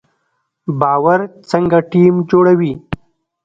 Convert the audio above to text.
باور څنګه ټیم جوړوي؟